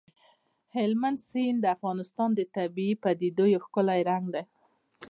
هلمند سیند د افغانستان د طبیعي پدیدو یو ښکلی رنګ دی.